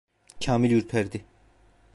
Kamil ürperdi.